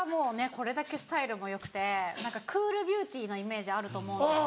これだけスタイルもよくてクールビューティーなイメージあると思うんですよ。